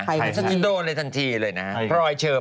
ใช่ใช่ใช่ใช่ใช่ไปเล่นกับเค้าทันทีเลยนะถามรายการนี้รัก